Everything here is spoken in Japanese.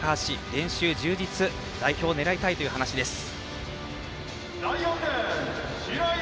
練習充実、代表を狙いたいという話です。